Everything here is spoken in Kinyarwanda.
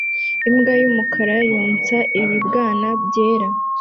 Imbwa yumukara yonsa ibibwana byera